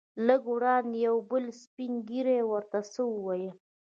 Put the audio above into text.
لږ وړاندې یو بل سپین ږیری ورته څه وویل.